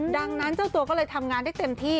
ดังนั้นเจ้าตัวก็เลยทำงานได้เต็มที่